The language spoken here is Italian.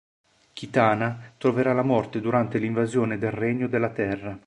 Kitana troverà la morte durante l'invasione del regno della terra.